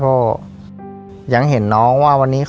ปิดเท่าไหร่ก็ได้ลงท้ายด้วย๐เนาะ